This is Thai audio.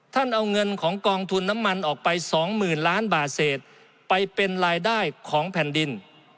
เอาเงินของกองทุนน้ำมันออกไปสองหมื่นล้านบาทเศษไปเป็นรายได้ของแผ่นดิน